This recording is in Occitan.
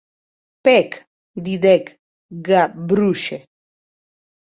Pèc, didec Gavroche.